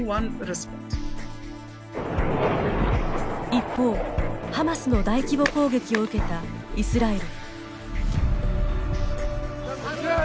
一方、ハマスの大規模攻撃を受けたイスラエル。